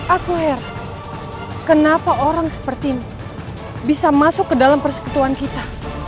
aku heran kenapa orang seperti ini bisa masuk ke dalam persekutuan kita